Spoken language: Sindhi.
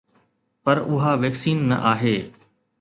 پر اها ويڪسين نه آهي